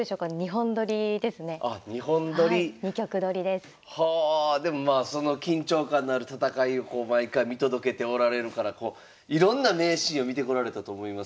でもまあその緊張感のある戦いを毎回見届けておられるからいろんな名シーンを見てこられたと思いますから。